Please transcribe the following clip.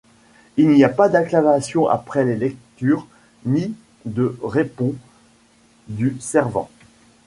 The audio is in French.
Il n'y a pas d'acclamation après les lectures, ni de répons du servant.